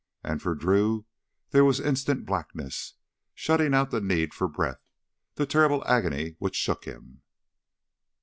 And for Drew there was instant blackness, shutting out the need for breath, the terrible agony which shook him.